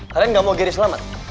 kalian ga mau gary selamat